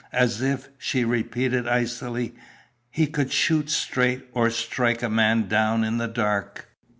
"As if," she repeated, icily, "he could shoot straight, or strike a man down in the dark."